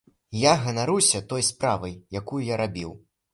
Я ганаруся той справай, якую я рабіў.